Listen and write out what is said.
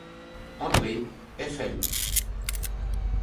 André, fl.